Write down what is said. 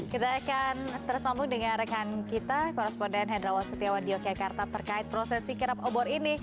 kita akan tersambung dengan rekan kita korresponden hedrawan setiawan di yogyakarta terkait proses dirap obor ini